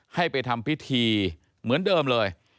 ให้ไปทำพิธีเหมือนเดิมเลย